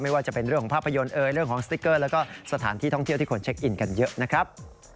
ว่าจะเป็นเรื่องของภาพยนตร์เอ่ยเรื่องของสติ๊กเกอร์แล้วก็สถานที่ท่องเที่ยวที่คนเช็คอินกันเยอะนะครับ